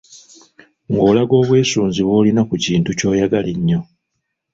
Ng’olaga obwesunzi bw’olina ku kintu ky’oyagala ennyo.